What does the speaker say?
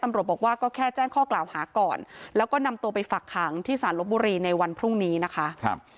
ตำรวจบอกว่าก็แค่แจ้งข้อกล่าวหาก่อนแล้วก็นำตัวไปฝักขังที่สารลบบุรีในวันพรุ่งนี้นะคะ